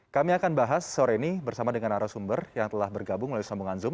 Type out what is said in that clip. kami akan bahas sore ini bersama dengan arah sumber yang telah bergabung melalui sambungan zoom